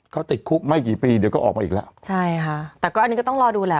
เขาติดคุกไม่กี่ปีเดี๋ยวก็ออกมาอีกแล้วใช่ค่ะแต่ก็อันนี้ก็ต้องรอดูแหละ